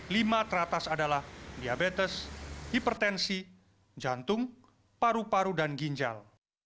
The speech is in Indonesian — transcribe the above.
lima teratas adalah diabetes hipertensi jantung paru paru dan ginjal